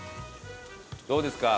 どうですか？